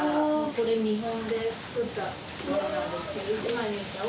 これ見本で作ったものなんですけど１枚の板を。